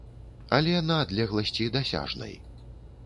Але на адлегласці дасяжнай.